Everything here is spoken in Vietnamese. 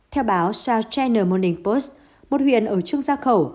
theo báo south china morning post một huyện ở trương gia khẩu